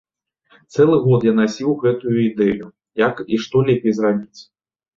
Цэлы год я насіў гэтую ідэю, як і што лепей зрабіць.